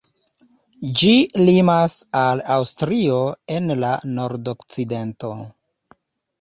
Ĝi limas al Aŭstrio en la nordokcidento.